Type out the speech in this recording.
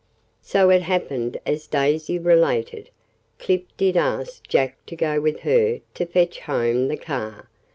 So it happened as Daisy related. Clip did ask Jack to go with her to fetch home the car.